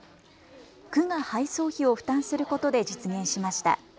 区が配送費を負担することで実現しました。